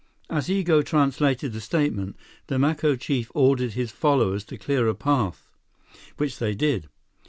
As Igo translated the statement, the Maco chief ordered his followers to clear a path, which they did.